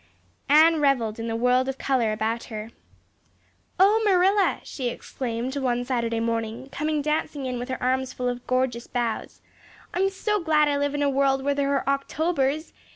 Anne reveled in the world of color about her. "Oh, Marilla," she exclaimed one Saturday morning, coming dancing in with her arms full of gorgeous boughs, "I'm so glad I live in a world where there are Octobers.